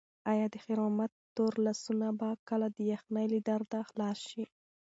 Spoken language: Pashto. ایا د خیر محمد تور لاسونه به کله د یخنۍ له درده خلاص شي؟